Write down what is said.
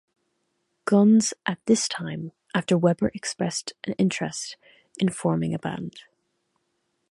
Guns at this time, after Weber expressed an interest in forming a band.